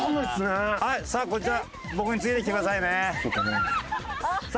さあこちら僕についてきてくださいね。